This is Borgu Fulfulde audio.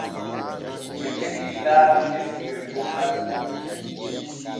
Ɓe keɓii laabi kesi der gomnati.